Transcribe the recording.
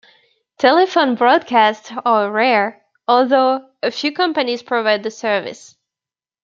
Telephone broadcasts are rare, although a few companies provide the service.